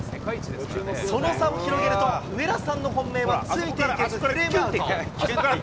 その差を広げると、上田さんの本命はついていけず、フレームアウト。